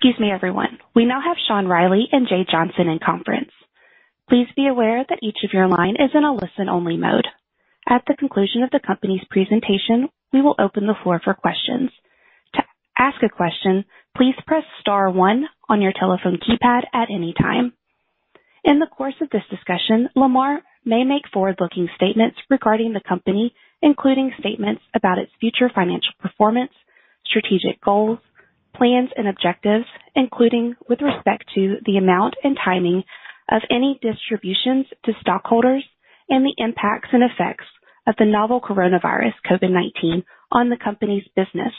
Excuse me, everyone. We now have Sean Reilly and Jay Johnson in conference. Please be aware that each of your line is in a listen-only mode. At the conclusion of the company's presentation, we will open the floor for questions. To ask a question, please press star one on your telephone keypad at any time. In the course of this discussion, Lamar may make forward-looking statements regarding the company, including statements about its future financial performance, strategic goals, plans, and objectives, including with respect to the amount and timing of any distributions to stockholders and the impacts and effects of the novel coronavirus, COVID-19, on the company's business,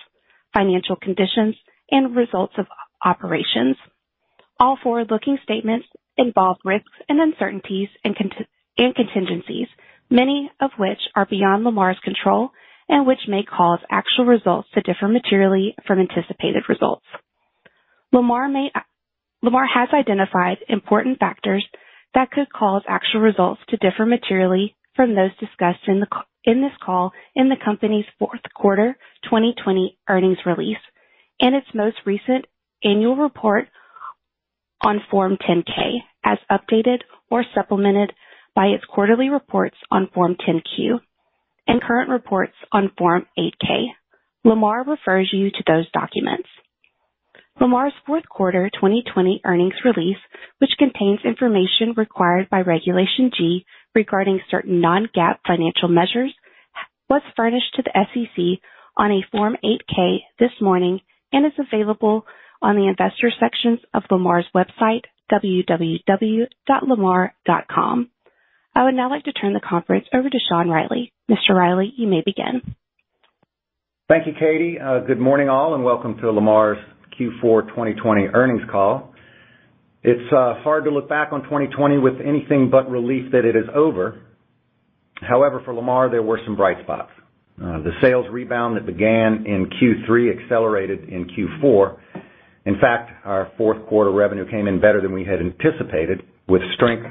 financial conditions, and results of operations. All forward-looking statements involve risks and uncertainties and contingencies, many of which are beyond Lamar's control and which may cause actual results to differ materially from anticipated results. Lamar has identified important factors that could cause actual results to differ materially from those discussed in this call in the company's fourth quarter 2020 earnings release and its most recent annual report on Form 10-K, as updated or supplemented by its quarterly reports on Form 10-Q and current reports on Form 8-K. Lamar refers you to those documents. Lamar's fourth quarter 2020 earnings release, which contains information required by Regulation G regarding certain non-GAAP financial measures, was furnished to the SEC on a Form 8-K this morning and is available on the investor sections of Lamar's website, www.lamar.com. I would now like to turn the conference over to Sean Reilly. Mr. Reilly, you may begin. Thank you, Katie. Good morning, all. Welcome to Lamar's Q4 2020 earnings call. It's hard to look back on 2020 with anything but relief that it is over. However, for Lamar, there were some bright spots. The sales rebound that began in Q3 accelerated in Q4. In fact, our fourth quarter revenue came in better than we had anticipated, with strength,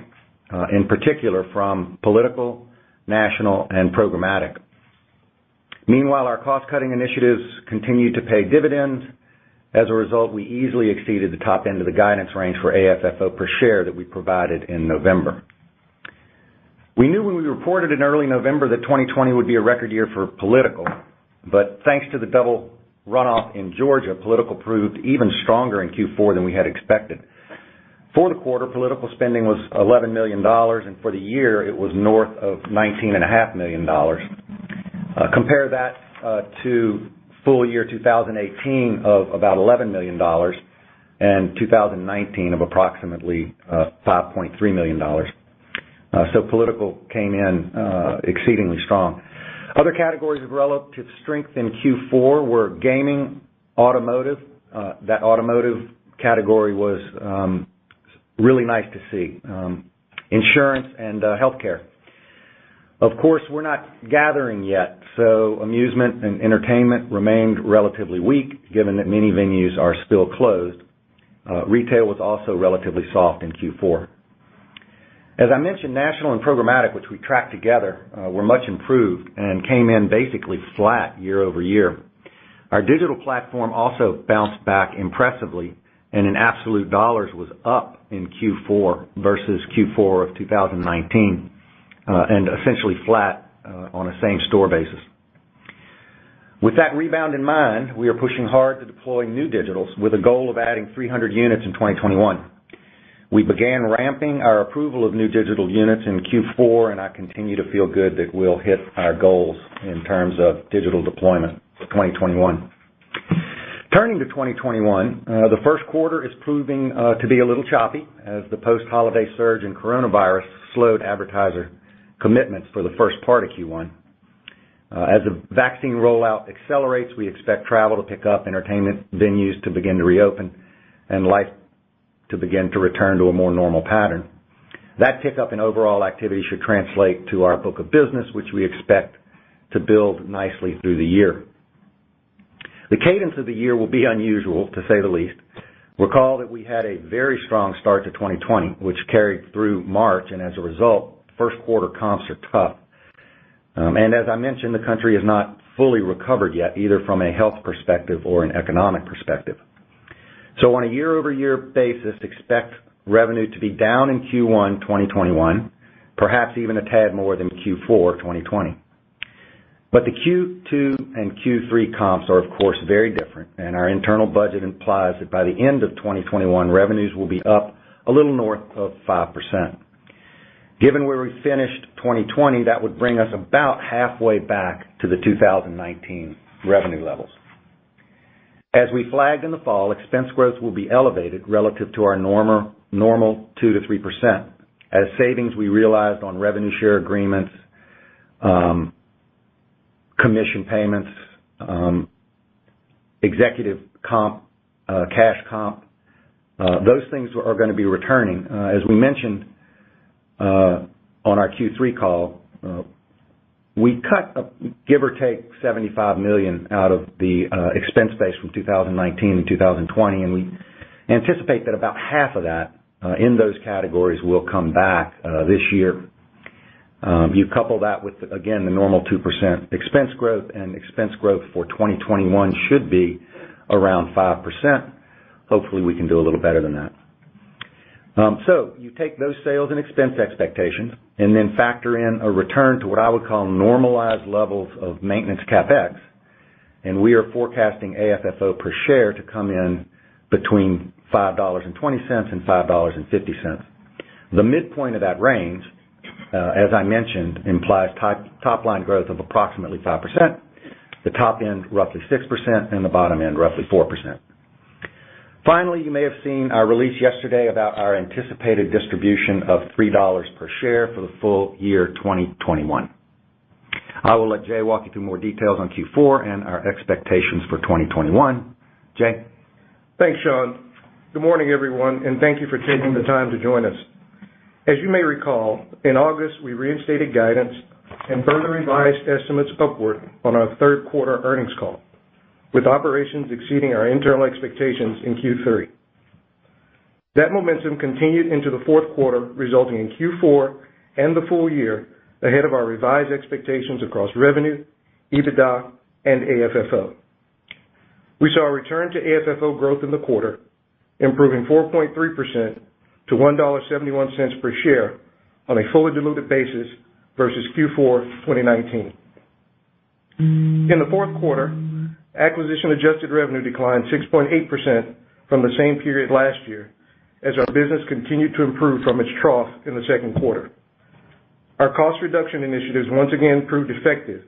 in particular, from political, national, and programmatic. Meanwhile, our cost-cutting initiatives continued to pay dividends. As a result, we easily exceeded the top end of the guidance range for AFFO per share that we provided in November. We knew when we reported in early November that 2020 would be a record year for political, thanks to the double runoff in Georgia, political proved even stronger in Q4 than we had expected. For the quarter, political spending was $11 million, and for the year, it was north of $19.5 million. Compare that to full year 2018 of about $11 million and 2019 of approximately $5.3 million. Political came in exceedingly strong. Other categories of relative strength in Q4 were gaming, automotive, that automotive category was really nice to see, insurance, and healthcare. Of course, we're not gathering yet, so amusement and entertainment remained relatively weak, given that many venues are still closed. Retail was also relatively soft in Q4. As I mentioned, national and programmatic, which we track together, were much improved and came in basically flat year-over-year. Our digital platform also bounced back impressively and in absolute dollars was up in Q4 versus Q4 of 2019, and essentially flat on a same store basis. With that rebound in mind, we are pushing hard to deploy new digitals with a goal of adding 300 units in 2021. We began ramping our approval of new digital units in Q4, and I continue to feel good that we'll hit our goals in terms of digital deployment for 2021. Turning to 2021, the first quarter is proving to be a little choppy as the post-holiday surge in coronavirus slowed advertiser commitments for the first part of Q1. As the vaccine rollout accelerates, we expect travel to pick up, entertainment venues to begin to reopen, and life to begin to return to a more normal pattern. That pickup in overall activity should translate to our book of business, which we expect to build nicely through the year. The cadence of the year will be unusual, to say the least. Recall that we had a very strong start to 2020, which carried through March. As a result, first quarter comps are tough. As I mentioned, the country is not fully recovered yet, either from a health perspective or an economic perspective. On a year-over-year basis, expect revenue to be down in Q1 2021, perhaps even a tad more than Q4 2020. The Q2 and Q3 comps are, of course, very different, and our internal budget implies that by the end of 2021, revenues will be up a little north of 5%. Given where we finished 2020, that would bring us about halfway back to the 2019 revenue levels. As we flagged in the fall, expense growth will be elevated relative to our normal 2%-3%. As savings we realized on revenue share agreements, commission payments, executive comp, cash comp, those things are going to be returning. As we mentioned on our Q3 call, we cut, give or take, $75 million out of the expense base from 2019 and 2020, and we anticipate that about half of that in those categories will come back this year. You couple that with, again, the normal 2% expense growth, and expense growth for 2021 should be around 5%. Hopefully, we can do a little better than that. You take those sales and expense expectations and then factor in a return to what I would call normalized levels of maintenance CapEx, and we are forecasting AFFO per share to come in between $5.20 and $5.50. The midpoint of that range, as I mentioned, implies top line growth of approximately 5%, the top end roughly 6%, and the bottom end roughly 4%. Finally, you may have seen our release yesterday about our anticipated distribution of $3 per share for the full year 2021. I will let Jay walk you through more details on Q4 and our expectations for 2021. Jay? Thanks, Sean. Good morning, everyone, and thank you for taking the time to join us. As you may recall, in August, we reinstated guidance and further revised estimates upward on our third quarter earnings call, with operations exceeding our internal expectations in Q3. That momentum continued into the fourth quarter, resulting in Q4 and the full year ahead of our revised expectations across revenue, EBITDA, and AFFO. We saw a return to AFFO growth in the quarter, improving 4.3% to $1.71 per share on a fully diluted basis versus Q4 2019. In the fourth quarter, acquisition-adjusted revenue declined 6.8% from the same period last year as our business continued to improve from its trough in the second quarter. Our cost reduction initiatives once again proved effective,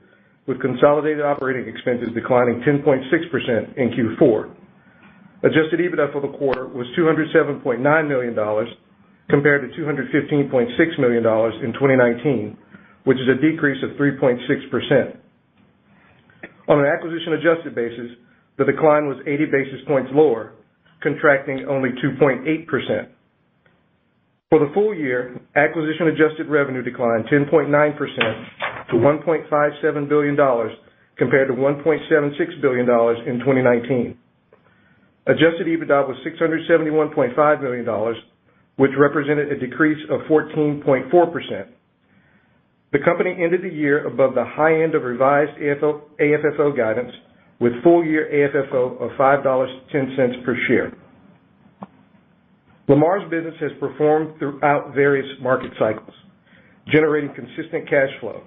with consolidated operating expenses declining 10.6% in Q4. Adjusted EBITDA for the quarter was $207.9 million compared to $215.6 million in 2019, which is a decrease of 3.6%. On an acquisition adjusted basis, the decline was 80 basis points lower, contracting only 2.8%. For the full year, acquisition adjusted revenue declined 10.9% to $1.57 billion compared to $1.76 billion in 2019. Adjusted EBITDA was $671.5 million, which represented a decrease of 14.4%. The company ended the year above the high end of revised AFFO guidance with full year AFFO of $5.10 per share. Lamar's business has performed throughout various market cycles, generating consistent cash flow,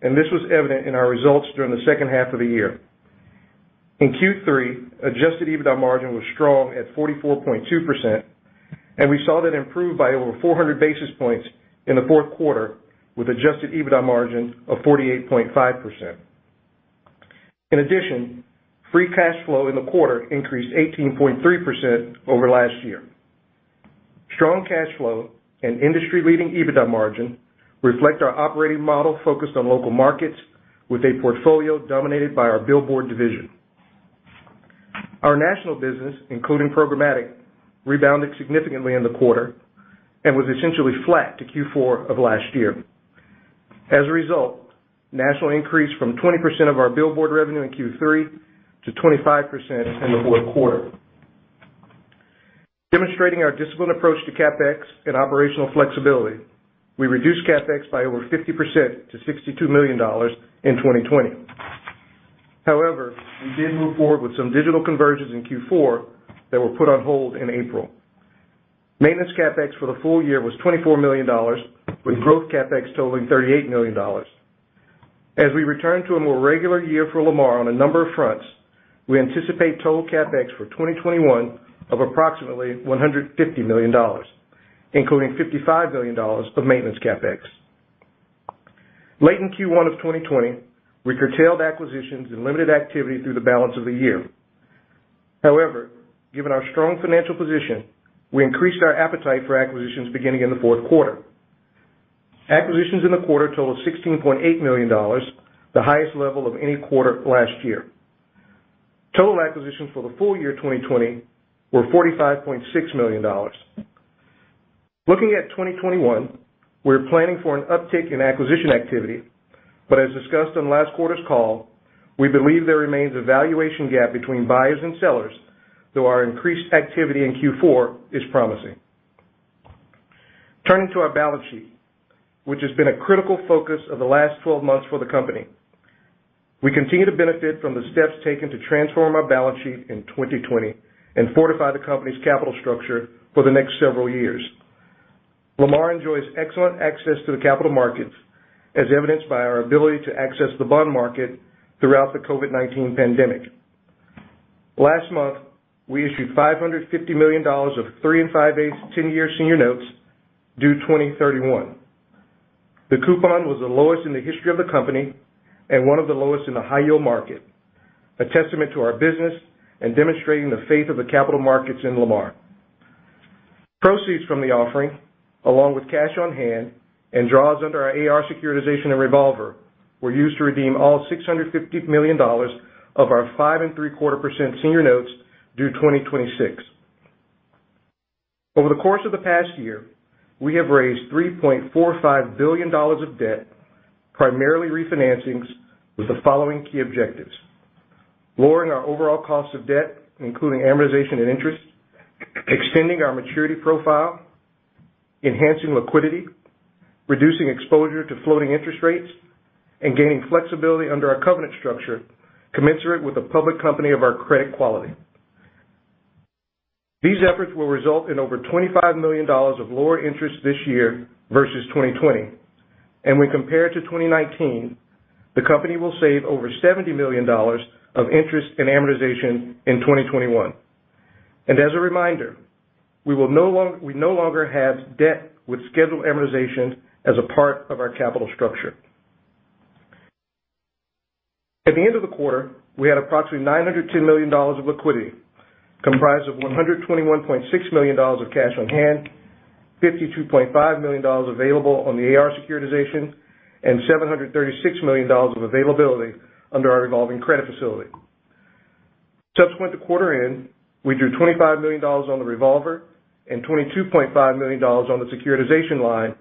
and this was evident in our results during the second half of the year. In Q3, adjusted EBITDA margin was strong at 44.2%, and we saw that improve by over 400 basis points in the fourth quarter with adjusted EBITDA margin of 48.5%. In addition, free cash flow in the quarter increased 18.3% over last year. Strong cash flow and industry-leading EBITDA margin reflect our operating model focused on local markets with a portfolio dominated by our billboard division. Our national business, including programmatic, rebounded significantly in the quarter and was essentially flat to Q4 of last year. As a result, national increased from 20% of our billboard revenue in Q3 to 25% in the fourth quarter. Demonstrating our disciplined approach to CapEx and operational flexibility, we reduced CapEx by over 50% to $62 million in 2020. However, we did move forward with some digital conversions in Q4 that were put on hold in April. Maintenance CapEx for the full year was $24 million, with growth CapEx totaling $38 million. As we return to a more regular year for Lamar on a number of fronts, we anticipate total CapEx for 2021 of approximately $150 million, including $55 million of maintenance CapEx. Late in Q1 of 2020, we curtailed acquisitions and limited activity through the balance of the year. However, given our strong financial position, we increased our appetite for acquisitions beginning in the fourth quarter. Acquisitions in the quarter totaled $16.8 million, the highest level of any quarter last year. Total acquisitions for the full year 2020 were $45.6 million. Looking at 2021, we're planning for an uptick in acquisition activity, but as discussed on last quarter's call, we believe there remains a valuation gap between buyers and sellers, though our increased activity in Q4 is promising. Turning to our balance sheet, which has been a critical focus of the last 12 months for the company. We continue to benefit from the steps taken to transform our balance sheet in 2020 and fortify the company's capital structure for the next several years. Lamar enjoys excellent access to the capital markets, as evidenced by our ability to access the bond market throughout the COVID-19 pandemic. Last month, we issued $550 million of 3 5/8 10-year senior notes due 2031. The coupon was the lowest in the history of the company and one of the lowest in the high-yield market, a testament to our business and demonstrating the faith of the capital markets in Lamar. Proceeds from the offering, along with cash on hand and draws under our AR securitization and revolver, were used to redeem all $650 million of our 5.75% senior notes due 2026. Over the course of the past year, we have raised $3.45 billion of debt, primarily refinancings, with the following key objectives. Lowering our overall cost of debt, including amortization and interest, extending our maturity profile, enhancing liquidity, reducing exposure to floating interest rates, and gaining flexibility under our covenant structure commensurate with a public company of our credit quality. These efforts will result in over $25 million of lower interest this year versus 2020. When compared to 2019, the company will save over $70 million of interest and amortization in 2021. As a reminder, we no longer have debt with scheduled amortization as a part of our capital structure. At the end of the quarter, we had approximately $902 million of liquidity, comprised of $121.6 million of cash on hand, $52.5 million available on the AR securitization, and $736 million of availability under our revolving credit facility. Subsequent to quarter end, we drew $25 million on the revolver and $22.5 million on the securitization line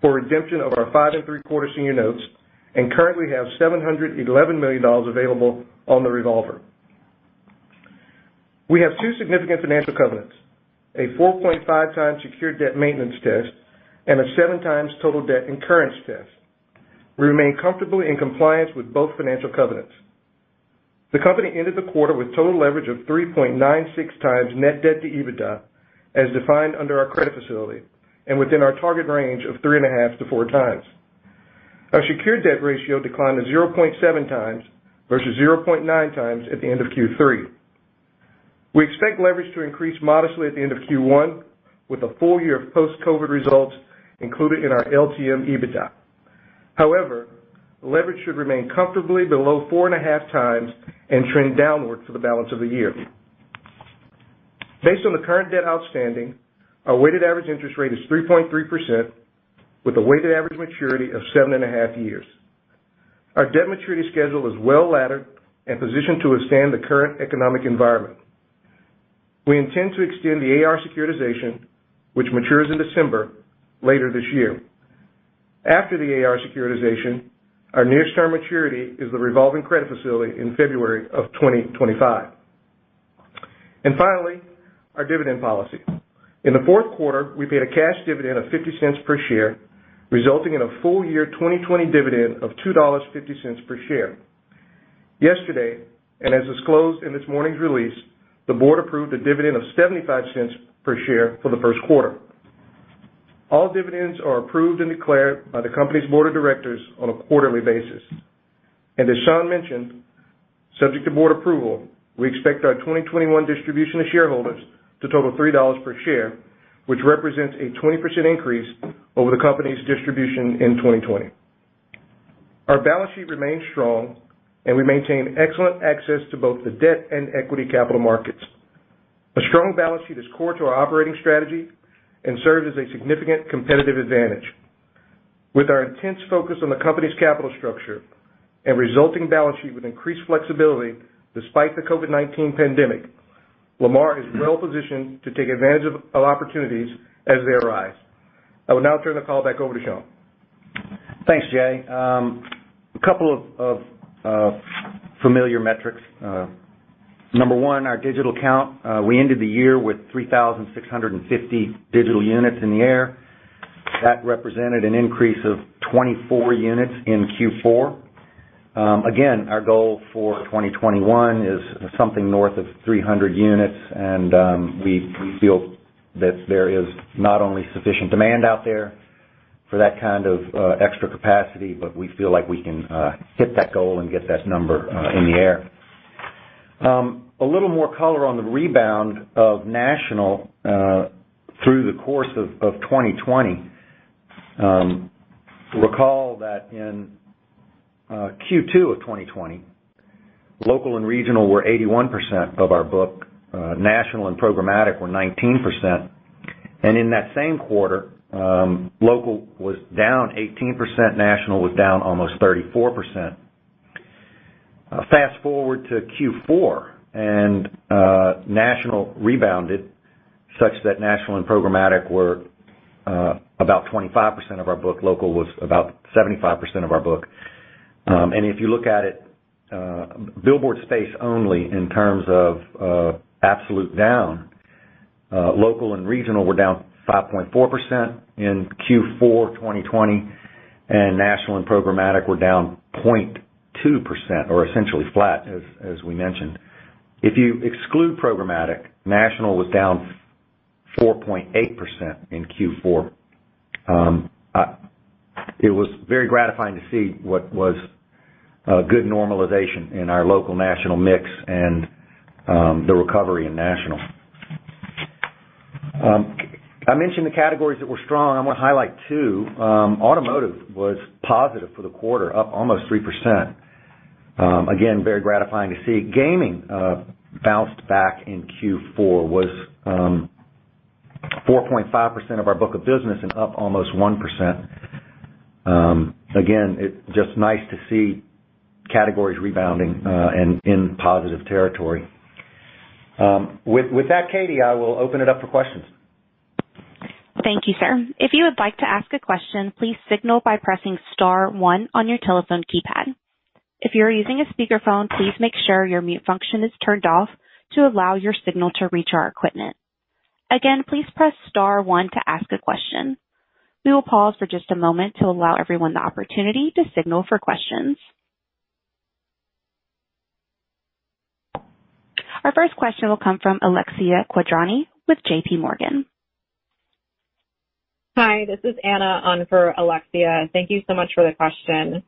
for redemption of our 5.75% senior notes, and currently have $711 million available on the revolver. We have two significant financial covenants: a 4.5 times secured debt maintenance test and a 7 times total debt incurrence test. We remain comfortably in compliance with both financial covenants. The company ended the quarter with total leverage of 3.96 times net debt to EBITDA as defined under our credit facility and within our target range of 3.5 to 4 times. Our secured debt ratio declined to 0.7 times versus 0.9 times at the end of Q3. We expect leverage to increase modestly at the end of Q1 with a full year of post-COVID results included in our LTM EBITDA. Leverage should remain comfortably below 4.5 times and trend downward for the balance of the year. Based on the current debt outstanding, our weighted average interest rate is 3.3% with a weighted average maturity of 7.5 years. Our debt maturity schedule is well-laddered and positioned to withstand the current economic environment. We intend to extend the AR securitization, which matures in December, later this year. After the AR securitization, our nearest term maturity is the revolving credit facility in February of 2025. Finally, our dividend policy. In the fourth quarter, we paid a cash dividend of $0.50 per share, resulting in a full year 2020 dividend of $2.50 per share. Yesterday, as disclosed in this morning's release, the board approved a dividend of $0.75 per share for the first quarter. All dividends are approved and declared by the company's board of directors on a quarterly basis. As Sean mentioned, subject to board approval, we expect our 2021 distribution to shareholders to total $3 per share, which represents a 20% increase over the company's distribution in 2020. Our balance sheet remains strong, and we maintain excellent access to both the debt and equity capital markets. A strong balance sheet is core to our operating strategy and serves as a significant competitive advantage. With our intense focus on the company's capital structure and resulting balance sheet with increased flexibility despite the COVID-19 pandemic, Lamar is well-positioned to take advantage of opportunities as they arise. I will now turn the call back over to Sean. Thanks, Jay. A couple of familiar metrics. Number one, our digital count. We ended the year with 3,650 digital units in the air. That represented an increase of 24 units in Q4. Again, our goal for 2021 is something north of 300 units, and we feel that there is not only sufficient demand out there for that kind of extra capacity, but we feel like we can hit that goal and get that number in the air. A little more color on the rebound of national through the course of 2020. Recall that in Q2 of 2020, local and regional were 81% of our book. National and programmatic were 19%. In that same quarter, local was down 18%, national was down almost 34%. Fast-forward to Q4 and national rebounded such that national and programmatic were about 25% of our book. Local was about 75% of our book. If you look at it, billboard space only in terms of absolute down, local and regional were down 5.4% in Q4 2020, and national and programmatic were down 0.2%, or essentially flat, as we mentioned. If you exclude programmatic, national was down 4.8% in Q4. It was very gratifying to see what was a good normalization in our local national mix and the recovery in national. I mentioned the categories that were strong. I'm going to highlight two. Automotive was positive for the quarter, up almost 3%. Again, very gratifying to see. Gaming bounced back in Q4, was 4.5% of our book of business and up almost 1%. Again, it's just nice to see categories rebounding and in positive territory. With that, Katie, I will open it up for questions. Thank you, sir. If you would like to ask a question, please signal by pressing star one on your telephone keypad. If you are using a speakerphone, please make sure your mute function is turned off to allow your signal to reach our equipment. Again, please press star one to ask a question. We will pause for just a moment to allow everyone the opportunity to signal for questions. Our first question will come from Alexia Quadrani with JPMorgan. Hi, this is Anna on for Alexia. Thank you so much for the question.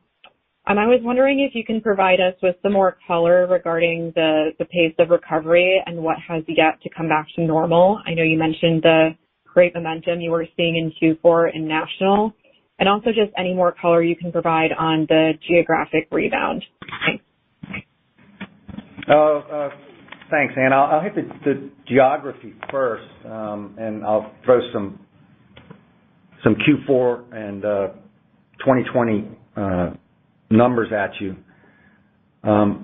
I was wondering if you can provide us with some more color regarding the pace of recovery and what has yet to come back to normal. I know you mentioned the great momentum you were seeing in Q4 in national, and also just any more color you can provide on the geographic rebound. Thanks. Thanks, Anna. I'll hit the geography first, and I'll throw some Q4 and 2020 numbers at you. The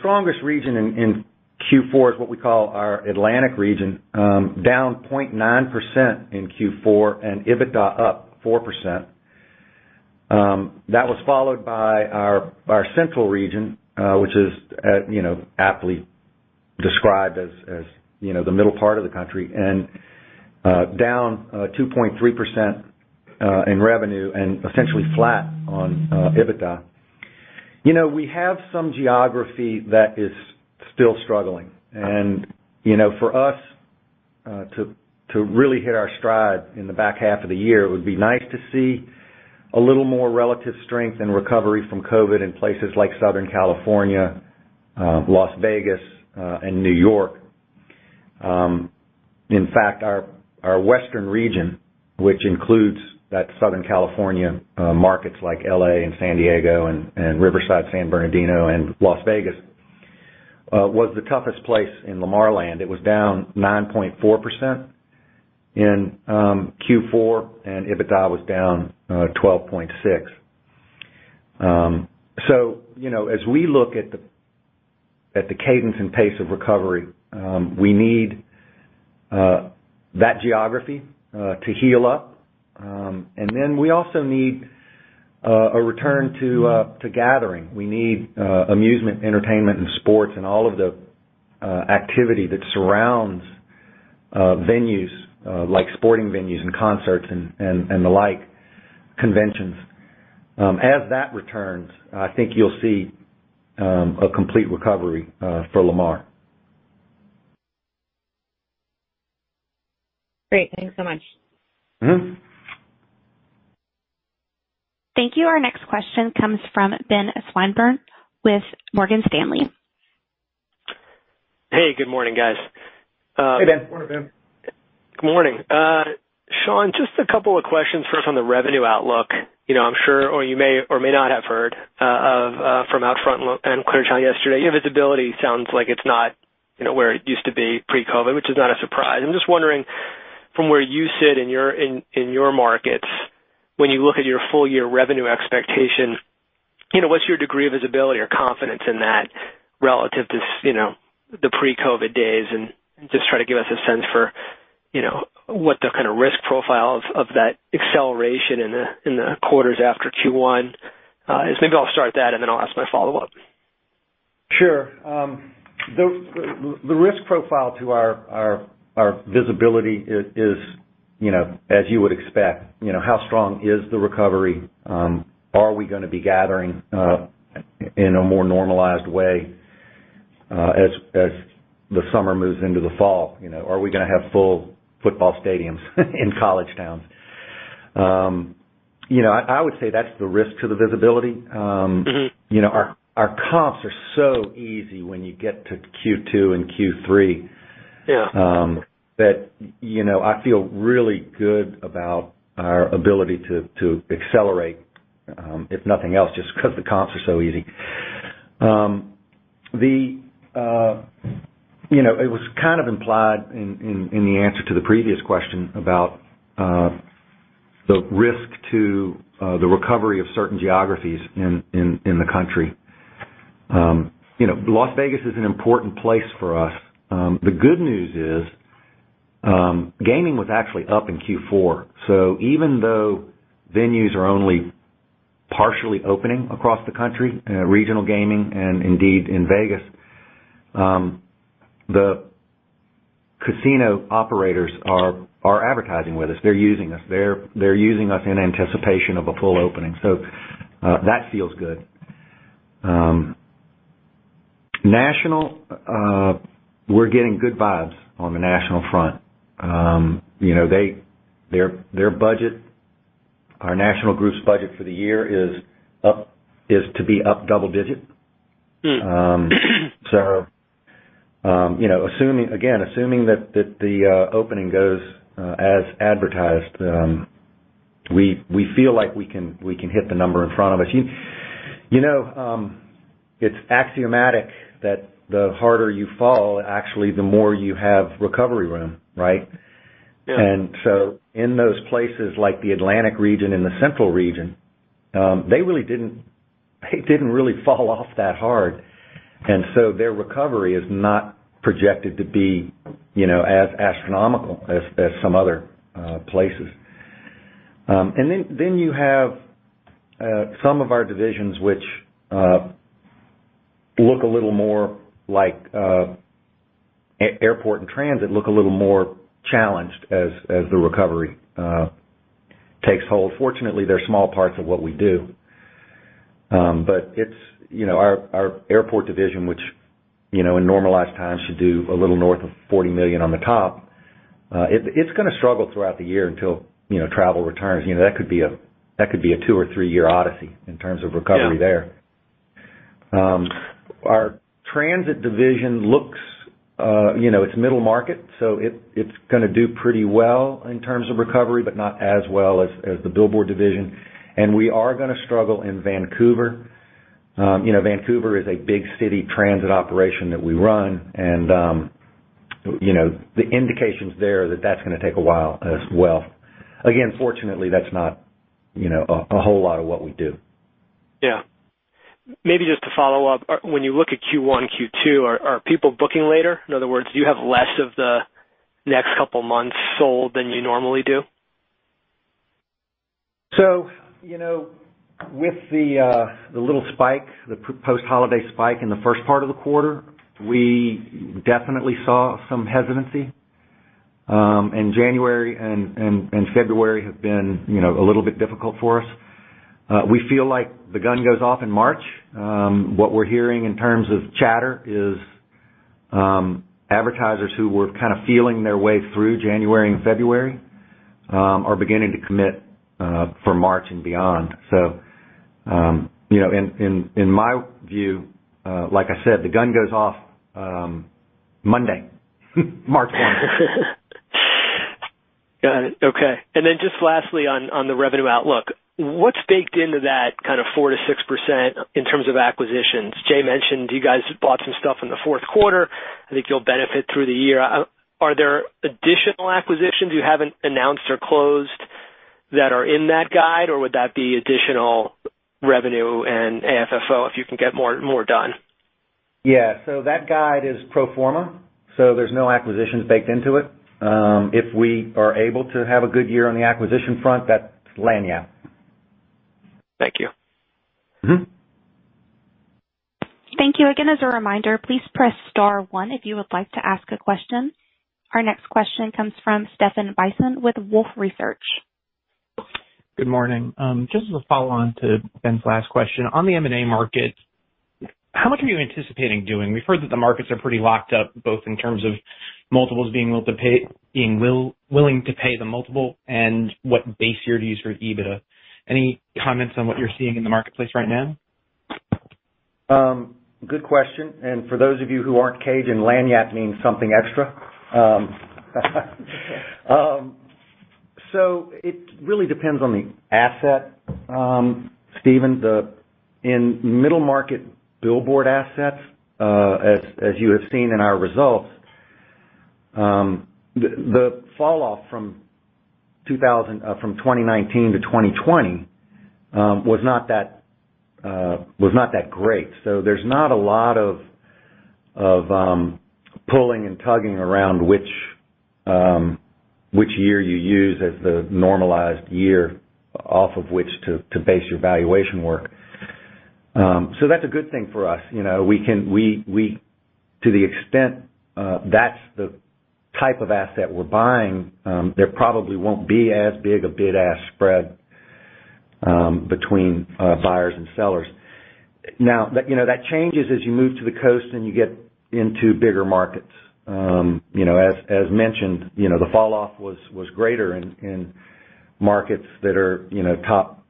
strongest region in Q4 is what we call our Atlantic region, down 0.9% in Q4 and EBITDA up 4%. That was followed by our Central region, which is aptly described as the middle part of the country, and down 2.3% in revenue and essentially flat on EBITDA. We have some geography that is still struggling. For us, to really hit our stride in the back half of the year, it would be nice to see a little more relative strength and recovery from COVID in places like Southern California, Las Vegas, and New York. In fact, our Western region, which includes that Southern California markets like L.A. and San Diego and Riverside, San Bernardino, and Las Vegas, was the toughest place in Lamar Land. It was down 9.4% in Q4, and EBITDA was down 12.6%. As we look at the cadence and pace of recovery, we need that geography to heal up. Then we also need a return to gathering. We need amusement, entertainment, and sports and all of the activity that surrounds venues like sporting venues and concerts and the like, conventions. As that returns, I think you'll see a complete recovery for Lamar. Great. Thanks so much. Thank you. Our next question comes from Ben Swinburne with Morgan Stanley. Hey, good morning, guys. Hey, Ben. Morning, Ben. Good morning. Sean, just a couple of questions first on the revenue outlook. I'm sure, or you may or may not have heard from Outfront and Clear Channel yesterday, your visibility sounds like it's not where it used to be pre-COVID, which is not a surprise. I'm just wondering from where you sit in your markets, when you look at your full-year revenue expectation, what's your degree of visibility or confidence in that relative to the pre-COVID days, and just try to give us a sense for what the kind of risk profile of that acceleration in the quarters after Q1 is. Maybe I'll start with that, I'll ask my follow-up. Sure. The risk profile to our visibility is as you would expect. How strong is the recovery? Are we gonna be gathering in a more normalized way as the summer moves into the fall? Are we gonna have full football stadiums in college towns? I would say that's the risk to the visibility. Our comps are so easy when you get to Q2 and Q3. Yeah I feel really good about our ability to accelerate, if nothing else, just because the comps are so easy. It was kind of implied in the answer to the previous question about the risk to the recovery of certain geographies in the country. Las Vegas is an important place for us. The good news is, gaming was actually up in Q4. Even though venues are only partially opening across the country, regional gaming, and indeed in Vegas, the casino operators are advertising with us. They're using us. They're using us in anticipation of a full opening, so that feels good. National, we're getting good vibes on the national front. Their budget, our national group's budget for the year is to be up double digit. Again, assuming that the opening goes as advertised, we feel like we can hit the number in front of us. It's axiomatic that the harder you fall, actually, the more you have recovery room, right? Yeah. In those places like the Atlantic region and the central region, it didn't really fall off that hard. Their recovery is not projected to be as astronomical as some other places. You have some of our divisions which look a little more like Airport and transit look a little more challenged as the recovery takes hold. Fortunately, they're small parts of what we do. Our airport division, which in normalized times should do a little north of $40 million on the top, it's going to struggle throughout the year until travel returns. That could be a two or three-year odyssey in terms of recovery there. Yeah. Our transit division, it's middle market, so it's going to do pretty well in terms of recovery, but not as well as the billboard division. We are going to struggle in Vancouver. Vancouver is a big city transit operation that we run, the indications there are that that's going to take a while as well. Again, fortunately, that's not a whole lot of what we do. Yeah. Maybe just to follow up, when you look at Q1, Q2, are people booking later? In other words, do you have less of the next couple months sold than you normally do? With the little spike, the post-holiday spike in the first part of the quarter, we definitely saw some hesitancy. January and February have been a little bit difficult for us. We feel like the gun goes off in March. What we're hearing in terms of chatter is advertisers who were kind of feeling their way through January and February are beginning to commit for March and beyond. In my view, like I said, the gun goes off Monday, March 1. Got it. Okay. Then just lastly on the revenue outlook, what's baked into that kind of 4%-6% in terms of acquisitions? Jay mentioned you guys bought some stuff in the fourth quarter. I think you'll benefit through the year. Are there additional acquisitions you haven't announced or closed that are in that guide? Or would that be additional revenue and AFFO if you can get more done? Yeah. That guide is pro forma, so there's no acquisitions baked into it. If we are able to have a good year on the acquisition front, that's lagniappe. Thank you. Thank you. Again, as a reminder, please press star one if you would like to ask a question. Our next question comes from Stephan Bisson with Wolfe Research. Good morning. Just as a follow-on to Ben's last question, on the M&A market, how much are you anticipating doing? We've heard that the markets are pretty locked up, both in terms of being willing to pay the multiple and what base year to use for EBITDA. Any comments on what you're seeing in the marketplace right now? Good question. For those of you who aren't Cajun, lagniappe means something extra. It really depends on the asset, Stephan. In middle market billboard assets, as you have seen in our results, the fall-off from 2019 to 2020 was not that great. There's not a lot of pulling and tugging around which year you use as the normalized year off of which to base your valuation work. That's a good thing for us. To the extent that's the type of asset we're buying, there probably won't be as big a bid-ask spread between buyers and sellers. That changes as you move to the coast and you get into bigger markets. As mentioned, the fall-off was greater in markets that are top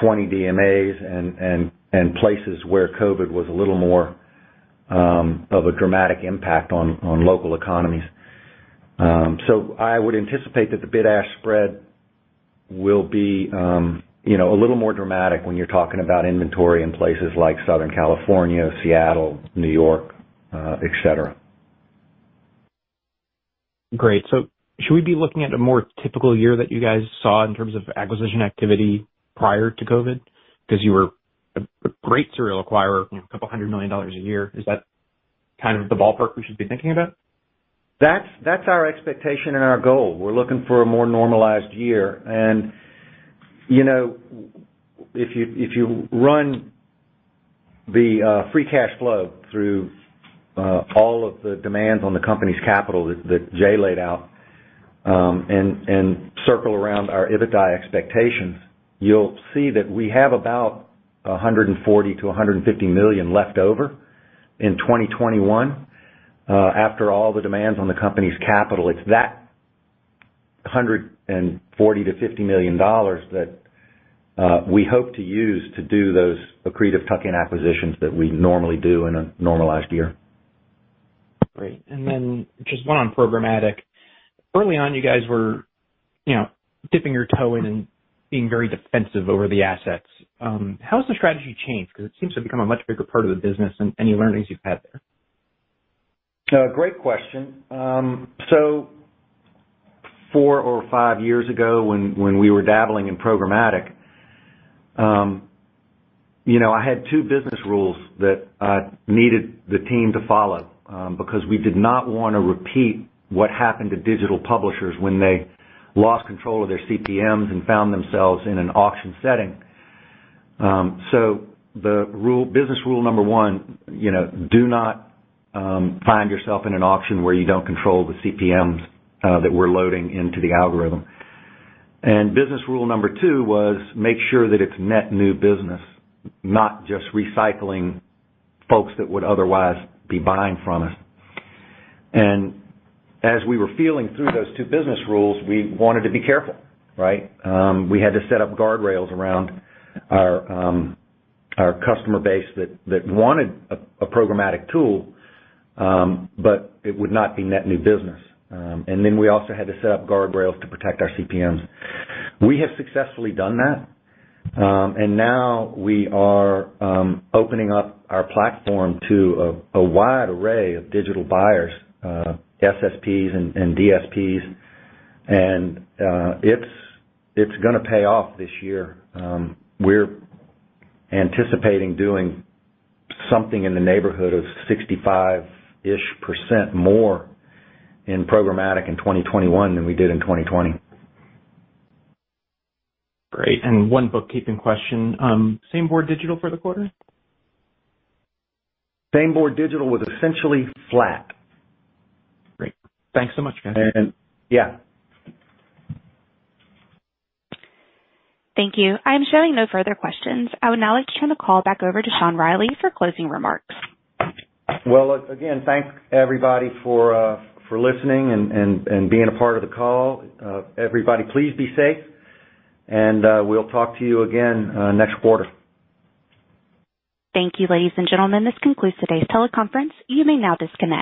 20 DMAs and places where COVID was a little more of a dramatic impact on local economies. I would anticipate that the bid-ask spread will be a little more dramatic when you're talking about inventory in places like Southern California, Seattle, New York, et cetera. Great. Should we be looking at a more typical year that you guys saw in terms of acquisition activity prior to COVID? You were a great serial acquirer, a couple hundred million dollars a year. Is that kind of the ballpark we should be thinking about? That's our expectation and our goal. We're looking for a more normalized year. If you run the free cash flow through all of the demands on the company's capital that Jay laid out, and circle around our EBITDA expectations, you'll see that we have about $140 million-$150 million left over in 2021 after all the demands on the company's capital. It's that $140 million-$150 million that we hope to use to do those accretive tuck-in acquisitions that we normally do in a normalized year. Great. Then just one on programmatic. Early on, you guys were dipping your toe in and being very defensive over the assets. How has the strategy changed? It seems to have become a much bigger part of the business, and any learnings you've had there? Great question. Four or five years ago when we were dabbling in programmatic, I had two business rules that I needed the team to follow, because we did not want to repeat what happened to digital publishers when they lost control of their CPMs and found themselves in an auction setting. The business rule number 1, do not find yourself in an auction where you don't control the CPMs that we're loading into the algorithm. Business rule number 2 was make sure that it's net new business, not just recycling folks that would otherwise be buying from us. As we were feeling through those two business rules, we wanted to be careful, right? We had to set up guardrails around our customer base that wanted a programmatic tool, but it would not be net new business. We also had to set up guardrails to protect our CPMs. We have successfully done that, and now we are opening up our platform to a wide array of digital buyers, SSPs and DSPs. It's going to pay off this year. We're anticipating doing something in the neighborhood of 65-ish% more in programmatic in 2021 than we did in 2020. Great. One bookkeeping question. Same board digital for the quarter? Same board digital was essentially flat. Great. Thanks so much, guys. Yeah. Thank you. I'm showing no further questions. I would now like to turn the call back over to Sean Reilly for closing remarks. Well, again, thanks, everybody, for listening and being a part of the call. Everybody, please be safe, and we'll talk to you again next quarter. Thank you, ladies and gentlemen. This concludes today's teleconference. You may now disconnect.